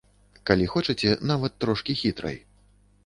Калі хочаце, нават трошкі хітрай.